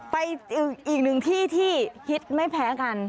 ไปอีกหนึ่งที่ที่ฮิตไม่แพ้กัน